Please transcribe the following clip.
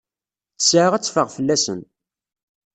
Ttesɛa ad teffeɣ fell-asen.